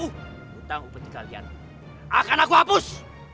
hutang upacari kalian akan aku hapus